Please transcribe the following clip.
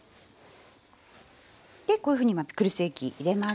でこういうふうにまあピクルス液入れました。